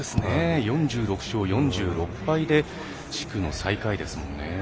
４６勝４６敗で地区の最下位ですもんね。